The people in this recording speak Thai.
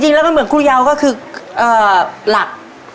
จริงแล้วมันเหมือนครูเยาว์ก็คือหลัก